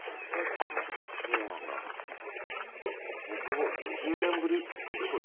ほぼほぼ２０年ぶりっていう事ですね。